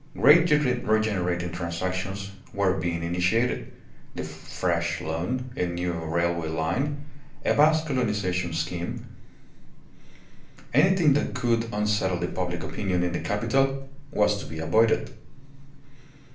Great regenerating transactions were being initiated the fresh loan, a new railway line, a vast colonization scheme. Anything that could unsettle the public opinion in the capital was to be avoided.